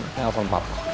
ini alpam pam